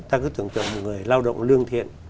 ta cứ tưởng tượng một người lao động lương thiện